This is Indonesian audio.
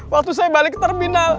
waktu saya balik ke terminal